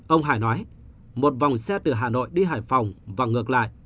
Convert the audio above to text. ông hải nói một vòng xe từ hà nội đi hải phòng và ngược lại